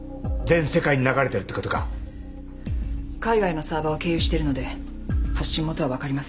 海外のサーバーを経由してるので発信元は分かりません。